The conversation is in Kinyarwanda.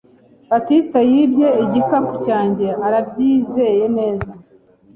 "Batisita yibye igikapu cyanjye." "Urabyizeye neza?"